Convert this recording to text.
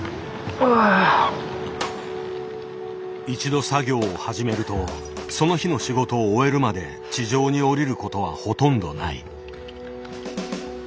一度作業を始めるとその日の仕事を終えるまで地上に降りることはほとんどない。